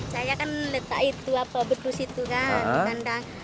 saya kan letak itu apa bedus itu kan di kandang